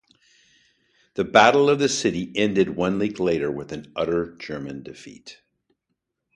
The battle of the city ended one week later with an utter German defeat.